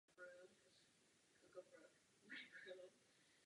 Důležitým aspektem ochrany je potřeba dalšího výzkumu života tohoto druhu.